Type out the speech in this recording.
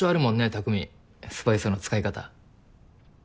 匠スパイスの使い方。